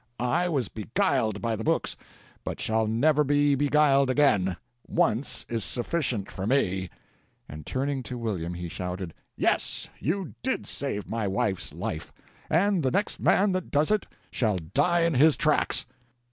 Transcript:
I was beguiled by the books, but shall never be beguiled again once is sufficient for me." And turning to William he shouted, "Yes, you did save my wife's life, and the next man that does it shall die in his tracks!"